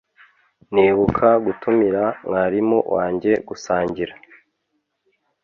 nibuka gutumira mwarimu wanjye gusangira